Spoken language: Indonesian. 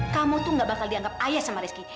kamu tuh gak bakal dianggap ayah sama rizky